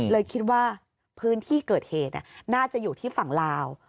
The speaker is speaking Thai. เลยคิดว่าพื้นที่เกิดเหตุน่าจะอยู่ที่ฝั่งลาว